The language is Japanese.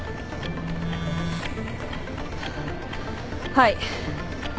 はい。